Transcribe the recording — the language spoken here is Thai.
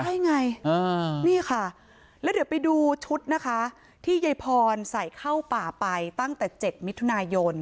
ใช่ไงนี่ค่ะแล้วเดี๋ยวไปดูชุดนะคะที่ยายพรใส่เข้าป่าไปตั้งแต่๗มิถุนายน